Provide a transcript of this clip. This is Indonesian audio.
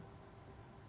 selamat sore pak dino